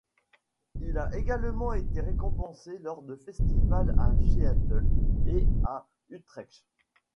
Il a également été récompensé lors de festivals à Seattle et à Utrecht.